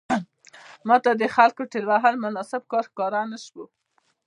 ماته د خلکو ټېل وهل مناسب کار ښکاره نه شو.